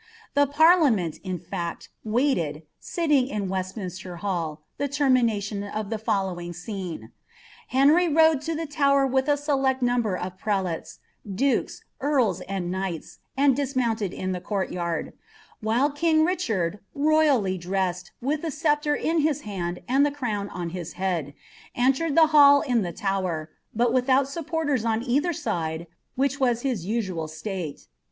The parliament, in fact, waited, ■iliojin Westminster Hall, the termination of the fitllowing scene. Uew^ndi to the Tower with a selected number of prelates, duked, mb, i^ kuighls, and dismounted in the court yard ; while king Riclianl, imBr dressed, with the sceptre in his hand and the crown on his head, eaicRd iKe hall in the Tower, but witliout supporters ou citUer side, wluih w his iiauaj state.